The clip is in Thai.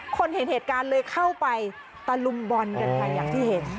คนเห็นเหตุการณ์เลยเข้าไปตะลุมบอลกันไปอย่างที่เห็น